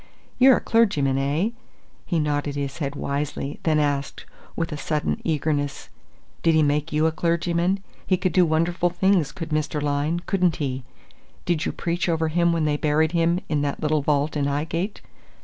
You're a clergyman, eh?" He nodded his head wisely, then asked, with a sudden eagerness: "Did he make you a clergyman? He could do wonderful things, could Mr. Lyne, couldn't he? Did you preach over him when they buried him in that little vault in 'Ighgate?